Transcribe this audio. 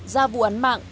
ra vụ án mạng